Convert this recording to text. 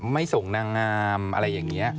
ไม่ส่งนางงาม